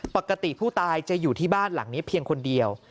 ปกติผู้ตายจะอยู่ที่บ้านหลังนี้เพียงคนเดียว